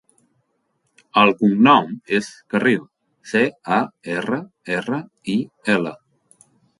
El cognom és Carril: ce, a, erra, erra, i, ela.